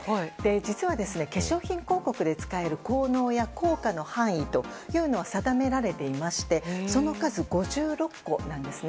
実は、化粧品広告で使える効能や効果の範囲というのは定められていましてその数、５６個なんですね。